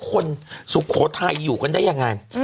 คนสุโขทัยอยู่กันได้อย่างไร